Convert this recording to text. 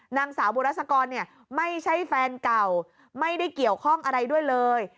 นางสาวบุรัสกรเนี่ยไม่ใช่แฟนเก่าไม่ได้เกี่ยวข้องอะไรด้วยเลย